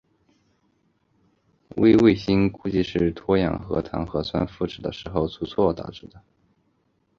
微卫星估计是脱氧核糖核酸复制的时候出错导致的。